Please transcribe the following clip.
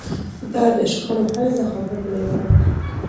ده د شخړو حل د خبرو له لارې غوښت.